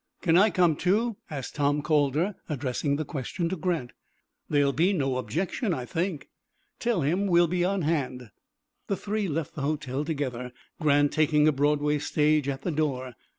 "Can I come, too?" asked Tom Calder, addressing the question to Grant. "There will be no objection, I think." "Tell him we'll be on hand." The three left the hotel together, Grant taking a Broadway stage at the door.